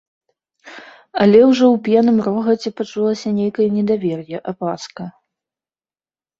Але ўжо ў п'яным рогаце пачулася нейкае недавер'е, апаска.